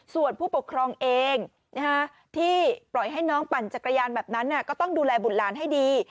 ส่วนผู้ปกครองเองที่ปล่อยให้น้องปั่นจักรยานแบบนั้นก็ต้องดูแลบุตรหลานให้ดี